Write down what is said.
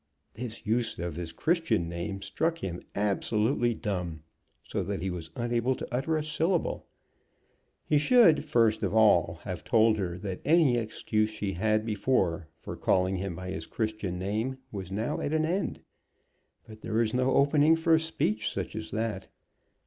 This use of his Christian name struck him absolutely dumb, so that he was unable to utter a syllable. He should, first of all, have told her that any excuse she had before for calling him by his Christian name was now at an end. But there was no opening for speech such as that.